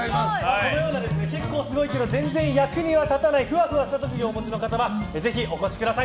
このような結構すごいけど役には立たないふわふわした特技をお持ちの方はぜひお越しください。